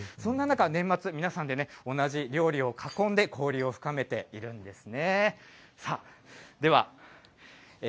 そんな中、年末、皆さんでね、同じ料理を囲んで交流を深めているんですね。